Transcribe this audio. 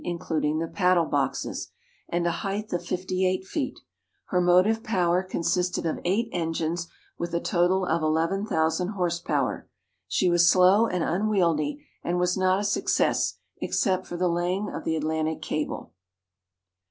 including the paddle boxes, and a height of 58 ft. Her motive power consisted of eight engines with a total of 11,000 horse power. She was slow and unwieldy, and was not a success except for the laying of the Atlantic cable.